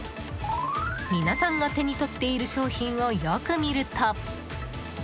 皆さんが手に取っている商品をよく見ると。